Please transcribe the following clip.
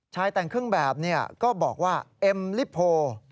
ชายแต่งเครื่องแบบเนี่ยก็บอกว่าเอ็มริโภ